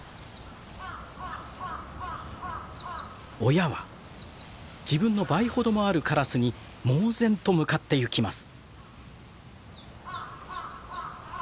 親は自分の倍ほどもあるカラスに猛然と向かってゆきます。